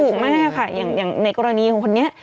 มากค่ะอย่างในกรณีของคนนี้